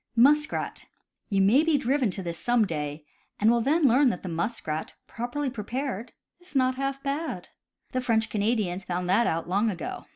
Muskrat. — You may be driven to this, some day, and will then learn that muskrat, properly prepared, is not half bad. The French Canadians found that out long ago.